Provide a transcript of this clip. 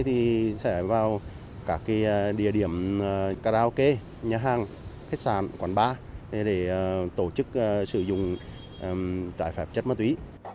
thì sẽ vào các địa điểm karaoke nhà hàng khách sạn quán bar để tổ chức sử dụng trái phép chất ma túy